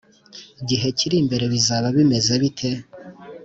gihe kiri imbere bizaba bimeze bite? "